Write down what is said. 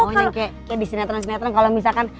oh yang kayak di sinetron sinetron kalau misalkan